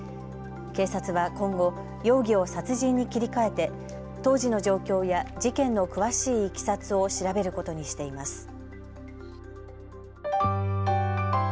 警察は今後、容疑を殺人に切り替えて当時の状況や事件の詳しいいきさつを調べることにしています。